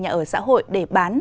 nhà ở xã hội để bán